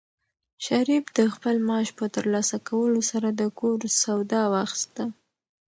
شریف د خپل معاش په ترلاسه کولو سره د کور سودا واخیسته.